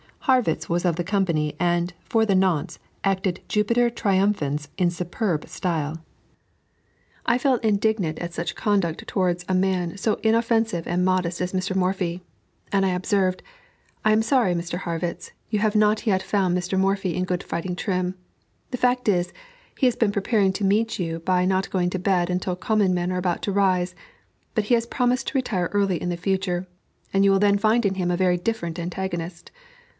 Harrwitz was of the company, and, for the nonce, acted Jupiter Triumphans in superb style. I felt indignant at such conduct towards a man so inoffensive and modest as Mr. Morphy, and I observed: "I am sorry, Mr. Harrwitz, you have not yet found Mr. Morphy in good fighting trim. The fact is, he has been preparing to meet you by not going to bed until common men are about to rise, but he has promised to retire early in future, and you will then find in him a very different antagonist."